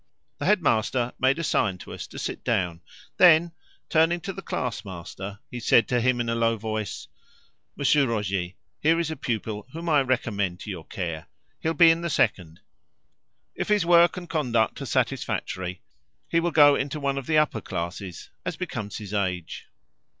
The head master made a sign to us to sit down. Then, turning to the class master, he said to him in a low voice "Monsieur Roger, here is a pupil whom I recommend to your care; he'll be in the second. If his work and conduct are satisfactory, he will go into one of the upper classes, as becomes his age."